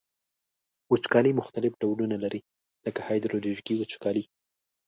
وچکالي مختلف ډولونه لري لکه هایدرولوژیکي وچکالي.